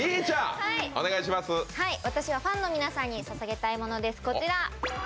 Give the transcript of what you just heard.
私はファンの皆さんにささげたいものです。